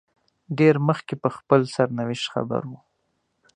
ډېر مخکې په خپل سرنوشت خبر وو.